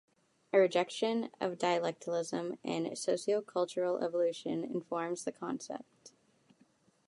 A rejection of dialectism and sociocultural evolution informs the concept.